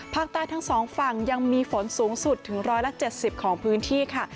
ภาคใต้ทั้งสองฝั่งยังมีฝนสูงสุดถึง๑๗๐ของพื้นที่ค่ะ